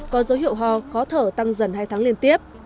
có dấu hiệu ho khó thở tăng dần hai tháng liên tiếp